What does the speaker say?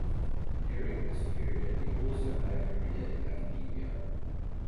During this period he also had a career in academia.